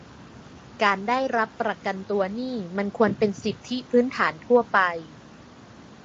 การได้รับประกันตัวนี่มันควรเป็นสิทธิพื้นฐานทั่วไป